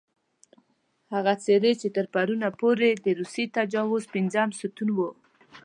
هغه څېرې چې تر پرونه پورې د روسي تجاوز پېنځم ستون وو.